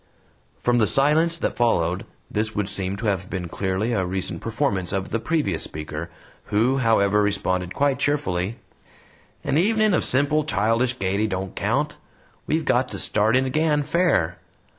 From the silence that followed, this would seem to have been clearly a recent performance of the previous speaker, who, however, responded quite cheerfully: "An evenin' o' simple, childish gaiety don't count. We've got to start in again FAIR.